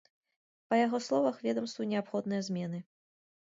Па яго словах, ведамству неабходныя змены.